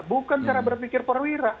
bukan cara berpikir perwira